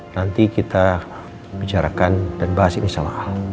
nanti kita bicarakan dan bahas ini sama al